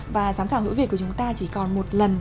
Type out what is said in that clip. và giám khảo hữu việt của chúng ta chỉ còn một lần